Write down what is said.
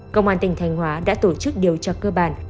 công an tỉnh thanh hóa đã tổ chức điều tra cơ bản